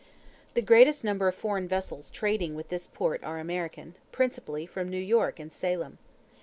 The greatest number of foreign vessels trading with this port are American, principally from New York and Salem.